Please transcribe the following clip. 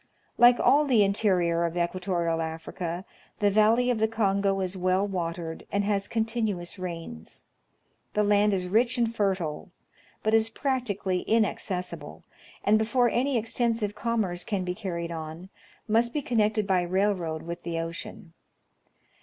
Like all the interior of equatorial Africa, the valley of the Kongo is well watered and has continuous rains. The land is rich and fertile, but is practically inaccessible, and, before any extensive commerce can be carried on, must be connected by rail road with the ocean.